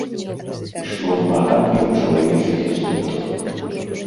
Ішло змаганне ў чалавечых істотах.